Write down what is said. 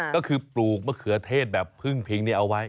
ก็คือปลูกมะเขือเทศแบบพึ่งพิงนี้เอาไว้